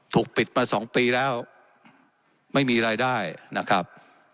ถูกปิดมา๒ปีแล้วไม่มีรายได้นะครับ